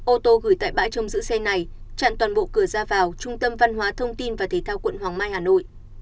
ô tô gửi tại bãi trông giữ xe này chặn toàn bộ cửa ra vào trung tâm văn hóa thông tin và thế thao quận hoàng mai hà nội